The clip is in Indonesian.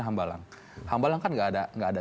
hambalang hambalang kan tidak ada